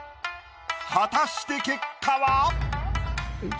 果たして結果は？